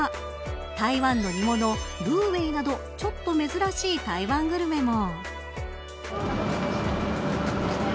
台湾の煮物、ルーウェイなどちょっと珍しい台湾グルメも。